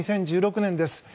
２０１６年です。